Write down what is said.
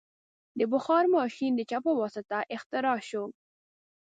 د بخار ماشین د چا په واسطه اختراع شو؟